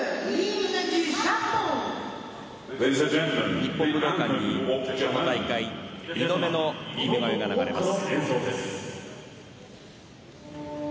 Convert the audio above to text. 日本武道館にこの大会２度目の「君が代」が流れます。